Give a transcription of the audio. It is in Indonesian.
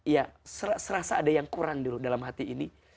ya serasa ada yang kurang dulu dalam hati ini